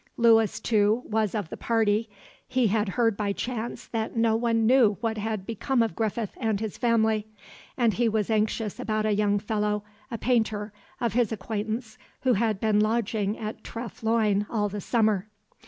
Lewis, too, was of the party; he had heard by chance that no one knew what had become of Griffith and his family; and he was anxious about a young fellow, a painter, of his acquaintance, who had been lodging at Treff Loyne all the summer.